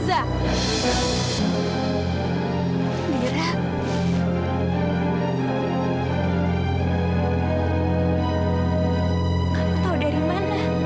sama sama kamu lihatlah manusia